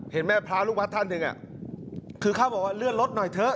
เห็นไหมพระลูกวัดท่านหนึ่งคือเขาบอกว่าเลื่อนรถหน่อยเถอะ